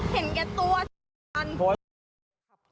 เห็นแก่ตัวบ้าจริง